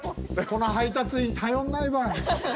この配達員頼んないばい。